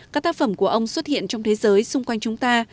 các tác phẩm của ông xuất hiện trong thế giới xung quanh chúng ta